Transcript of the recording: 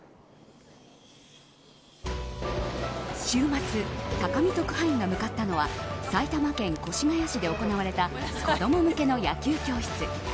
週末高見特派員が向かったのは埼玉県越谷市で行われた子供向けの野球教室。